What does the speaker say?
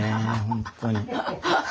本当に。